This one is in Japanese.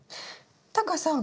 タカさん